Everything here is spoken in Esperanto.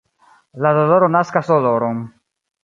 La doloro naskas doloron.